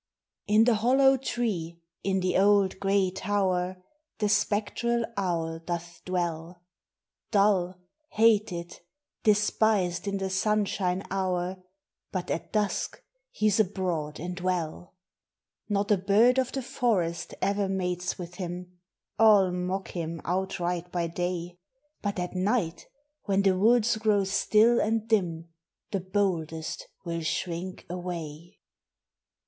In the hollow tree, in the old grav tower, The spectral owl doth dwell ; Dull, hated, despised, in the sunshine hour, But at dusk he 's abroad and well ! Not a bird of the foresl e'er mates with him; All mock him outrighl bv daj : But at night, when the woods grow si ill and dun. The boldest will shrink aw;i\